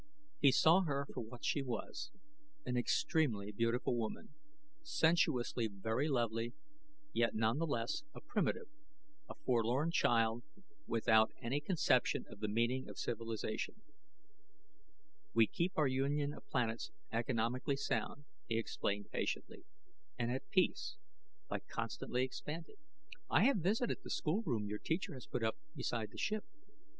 He saw her for what she was: an extremely beautiful woman, sensuously very lovely, yet nonetheless a primitive a forlorn child without any conception of the meaning of civilization. "We keep our union of planets economically sound," he explained patiently, "and at peace by constantly expanding " "I have visited the schoolroom your teacher has put up beside the ship.